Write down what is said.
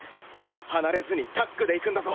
離れずにタッグで行くんだぞ。